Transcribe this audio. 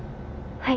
はい。